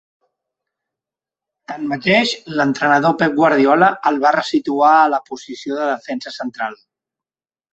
Tanmateix, l'entrenador Pep Guardiola el va ressituar a la posició de defensa central.